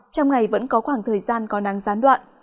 trong ngày vẫn có khoảng thời gian có nắng gián đoạn